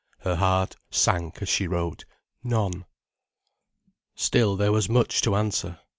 Her heart sank as she wrote: "None." Still there was much to answer.